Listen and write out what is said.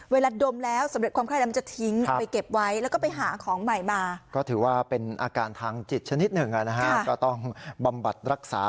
เวลาดมแล้วสำเร็จความคร่าย